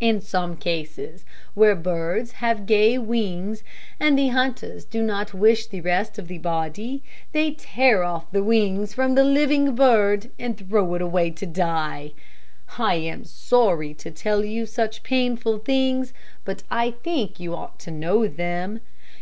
In some cases where birds have gay wings, and the hunters do not wish the rest of the body, they tear off the wings from the living bird, and throw it away to die. "I am sorry to tell you such painful things, but I think you ought to know them.